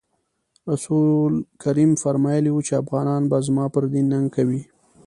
رسول کریم فرمایلي وو چې افغانان به زما پر دین ننګ کوي.